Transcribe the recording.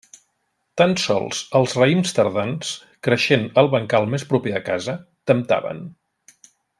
Tan sols els raïms tardans, creixent al bancal més proper a casa, temptaven.